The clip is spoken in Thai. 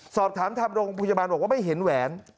สอบถามทางโรงพยาบาลบอกว่าไม่เห็นแหวน